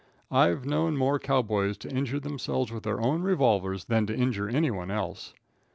I've known more cow boys to injure themselves with their own revolvers than to injure anyone else.